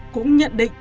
cũng nhận định